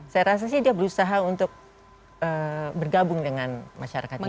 saya rasa sih dia berusaha untuk bergabung dengan masyarakat juga